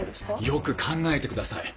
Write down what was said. よく考えてください。